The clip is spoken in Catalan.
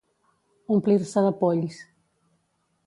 Omplir-se de polls.